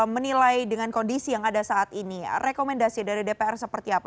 menilai dengan kondisi yang ada saat ini rekomendasi dari dpr seperti apa